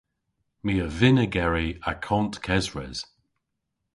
My a vynn ygeri akont kesres.